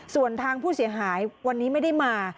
ส่วนทางผู้เสียหายวันนี้ไม่ได้มา